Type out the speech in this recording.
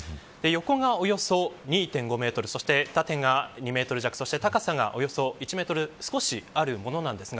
横がおよそ２．５メートルそして縦が２メートル弱そして高さがおよそ１メートル少しあるものです。